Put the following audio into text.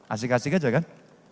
asik asik aja kan